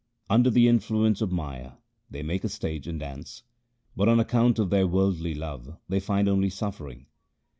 Under the influence of Maya they make a stage and dance, but, on account of their worldly love, they find only suffering.